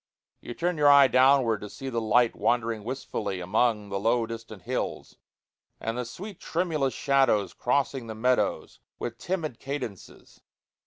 You turn your eye downward to see the light wandering wistfully among the low distant hills, and the sweet tremulous shadows crossing the meadows with timid cadences.